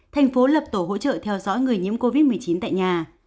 thành phố lập tổ hỗ trợ theo dõi người nhiễm covid một mươi chín tại nhà